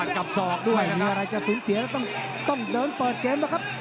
ไม่มีอะไรจะสูญเสียต้องเดินเปิดเกมนะครับ